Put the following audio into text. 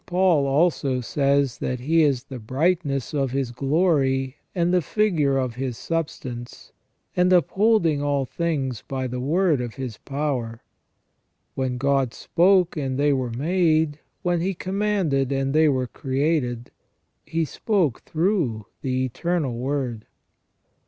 Paul also says that He is " the brightness of His glory, and the figure of His substance, and upholding all things by the word of His power ". When God "spoke and they were made," when He "commanded and they were created," He spoke through the Eternal Word.